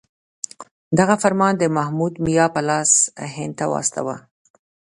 دغه فرمان د محمود میا په لاس هند ته واستاوه.